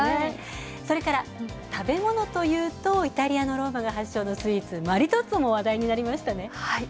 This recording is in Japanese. それから、食べ物というとイタリアのローマが発祥のスイーツ、マリトッツォも話題になりましたね。